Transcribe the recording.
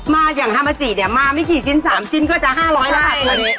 มาอย่างฮามาจิเนี่ยมาไม่กี่ชิ้น๓ชิ้นก็จะ๕๐๐บาท